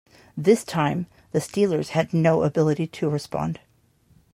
This time, the Steelers had no ability to respond.